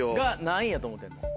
何位やと思ってんの？